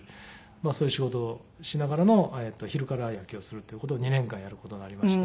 そういう仕事をしながらの昼から野球をするっていう事を２年間やる事がありまして。